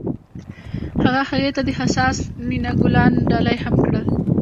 هغه هغې ته د حساس مینه ګلان ډالۍ هم کړل.